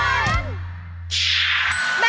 รายการที่ได้